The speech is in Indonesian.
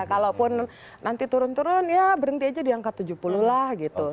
kalaupun nanti turun turun ya berhenti aja di angka tujuh puluh lah gitu